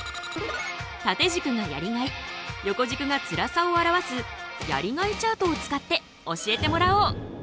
縦軸がやりがい横軸がつらさを表すやりがいチャートを使って教えてもらおう！